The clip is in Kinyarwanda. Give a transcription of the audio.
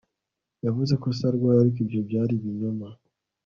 Yavuze ko se arwaye ariko ibyo byari ibinyoma